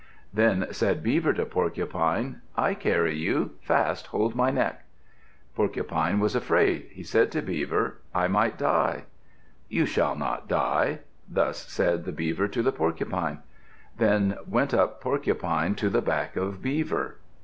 Then said Beaver to Porcupine, "I carry you. Fast hold my neck." Porcupine was afraid. He said to Beaver, "I might die." "You shall not die." Thus said the Beaver to the Porcupine. Then went up Porcupine to the back of Beaver.